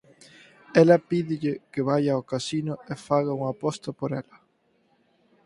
Ela pídelle que vaia ao casino e faga unha aposta por ela.